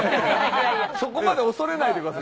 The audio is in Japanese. そこまで恐れないでください。